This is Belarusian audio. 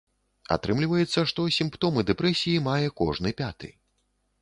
Атрымліваецца, што сімптомы дэпрэсіі мае кожны пяты.